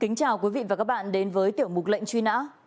kính chào quý vị và các bạn đến với tiểu mục lệnh truy nã